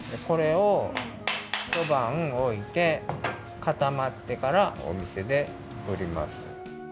これをひとばんおいてかたまってからおみせでうります。